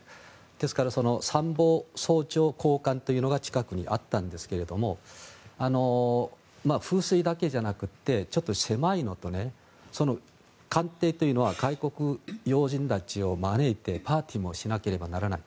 ですから参謀総長公館というのが近くにあったんですけども風水だけじゃなくてちょっと狭いのと官邸というのは外国の要人たちを招いてパーティーもしなければならない。